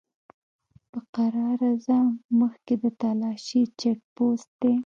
په کرار ځه! مخکې د تالاشی چيک پوسټ دی!